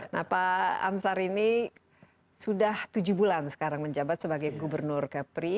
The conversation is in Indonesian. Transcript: nah pak ansar ini sudah tujuh bulan sekarang menjabat sebagai gubernur kepri